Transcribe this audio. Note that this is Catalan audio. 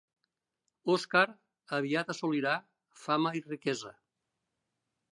Oskar aviat assolirà fama i riquesa.